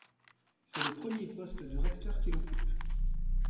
C’est le premier poste de recteur qu’il occupe.